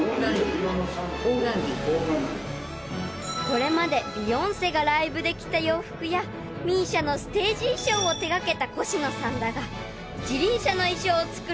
［これまでビヨンセがライブで着た洋服やＭＩＳＩＡのステージ衣装を手掛けたコシノさんだが］